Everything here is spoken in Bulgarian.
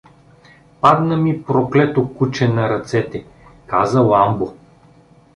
— Падна ми, проклето куче, на ръцете — каза Ламбо.